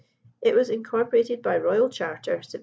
It was incorporated by royal charter Sept.